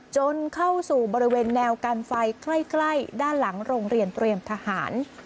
จนเข้าสู่บริเวณแนวกันไฟใกล้ด้านหลังโรงเรียนเตรียมทหาร